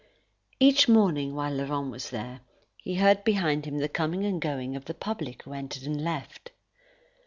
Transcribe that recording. Each morning, while Laurent was there, he heard behind him the coming and going of the public who entered and left.